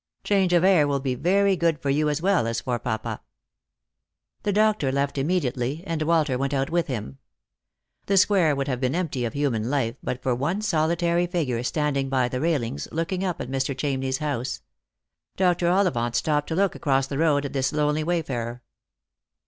Change of air will be very good for you as well as for papa." The doctor left immediately, and Walter went out with him. The square would have been empty of human life but for one solitary figure standing by the railings, looking up at Mr. Chamney's house. Dr. Ollivant stopped to look across the road at this lonely wayfarer.